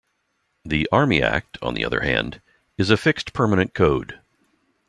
The Army Act, on the other hand, is a fixed permanent code.